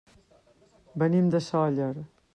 Venim de Sóller.